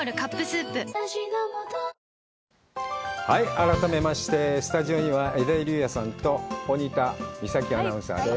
改めまして、スタジオには江田友莉亜さんと大仁田美咲アナウンサーです。